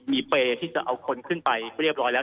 มีเปรย์ที่จะเอาคนขึ้นไปเรียบร้อยแล้ว